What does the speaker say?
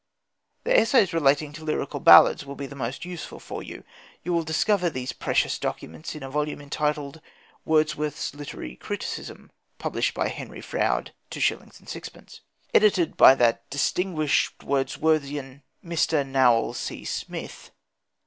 The essays relating to Lyrical Ballads will be the most useful for you. You will discover these precious documents in a volume entitled Wordsworth's Literary Criticism (published by Henry Frowde, 2s. 6d.), edited by that distinguished Wordsworthian Mr. Nowell C. Smith.